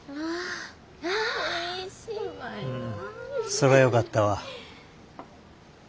そらよかったわ。